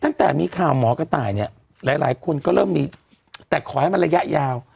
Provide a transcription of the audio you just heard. ตั้งแต่มีข่าวหมอกระต่ายเนี่ยหลายหลายคนก็เริ่มมีแต่ขอให้มันระยะยาว